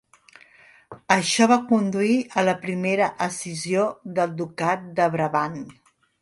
Això va conduir a la primera escissió del ducat de Brabant.